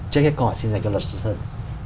trên hết khỏi xin giải cho lật sơn